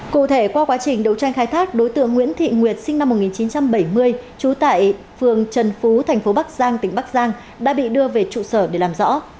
cụ thể qua quá trình đấu tranh khai thác đối tượng nguyễn thị nguyệt sinh năm một nghìn chín trăm bảy mươi trú tại phường trần phú tp bắc giang tỉnh bắc giang đã bị đưa về trụ sở để làm rõ